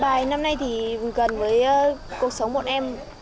vài năm nay thì gần với cuộc sống bọn em